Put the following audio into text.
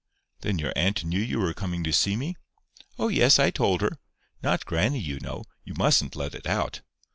"Then your aunt knew you were coming to see me?" "Oh, yes, I told her. Not grannie, you know.—You mustn't let it out."